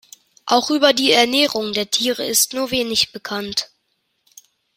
Auch über die Ernährung der Tiere ist nur wenig bekannt.